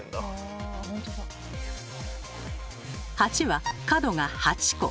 ８は角が８個。